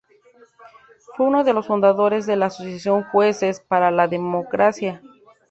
Fue uno de los fundadores de la asociación Jueces para la Democracia.